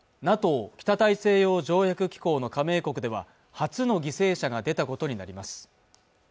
ＮＡＴＯ＝北大西洋条約機構の加盟国では初の犠牲者が出たことになります